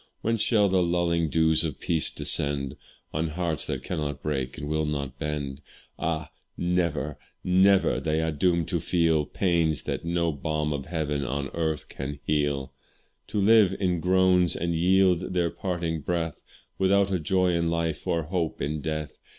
When shall the lulling dews of peace descend On hearts that cannot break and will not bend? Ah! never, never they are doomed to feel Pains that no balm of heaven or earth can heal; To live in groans, and yield their parting breath Without a joy in life or hope in death.